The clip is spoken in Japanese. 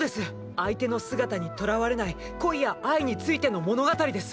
相手の姿にとらわれない恋や愛についての物語です！